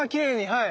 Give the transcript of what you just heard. はい。